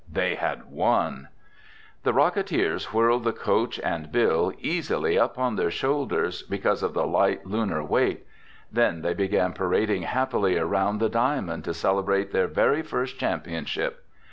They had won! The Rocketeers whirled the coach and Bill easily up on their shoulders, because of the light Lunar weight. Then they began parading happily around the diamond to celebrate their very first championship.